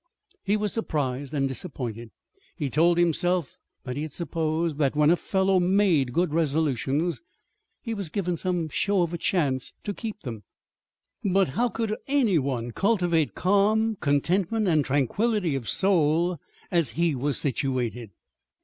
He was surprised and disappointed. He told himself that he had supposed that when a fellow made good resolutions, he was given some show of a chance to keep them. But as if any one could cultivate calm contentment and tranquillity of soul as he was situated!